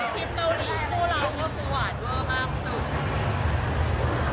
เกาหลีคู่เราก็คือหวานเวอร์มากสุด